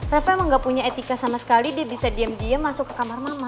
rafa emang gak punya etika sama sekali dia bisa diam diam masuk ke kamar mama